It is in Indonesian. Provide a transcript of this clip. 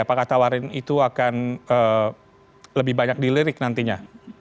apakah tawarin itu akan lebih banyak dilirik nantinya